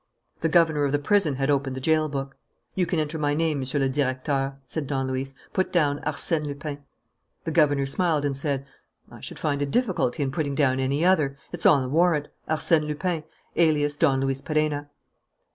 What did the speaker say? The governor of the prison had opened the jail book. "You can enter my name, Monsieur le Directeur," said Don Luis. "Put down 'Arsène Lupin.'" The governor smiled and said: "I should find a difficulty in putting down any other. It's on the warrant: 'Arsène Lupin, alias Don Luis Perenna.'"